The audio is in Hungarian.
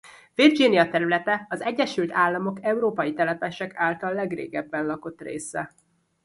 Virginia területe az Egyesült Államok európai telepesek által legrégebben lakott része.